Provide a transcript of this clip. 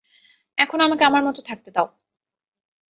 এখন আমাকে আমার মত থাকতে দাও!